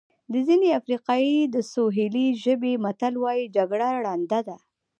د ختیځې افریقا د سوهیلي ژبې متل وایي جګړه ړنده ده.